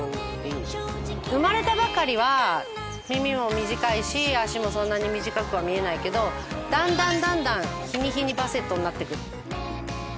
生まれたばかりは耳も短いし脚もそんなに短くは見えないけどだんだんだんだん日に日にバセットになってく。